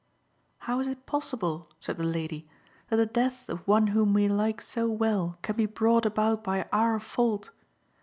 " "How is it possible," said the lady, "that the death of one whom we like so well can be brought about by our fault